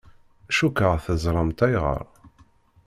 Cukkeɣ teẓramt ayɣer.